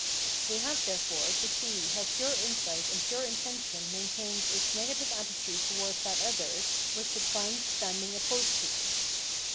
We have, therefore, to see how pure insight and pure intention maintains its negative attitude towards that other which it finds standing opposed to it.